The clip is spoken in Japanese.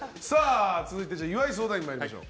続いて、岩井相談員参りましょう。